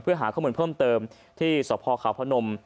เพื่อหาข้อมูลเพิ่มเติมที่สพขาวพนม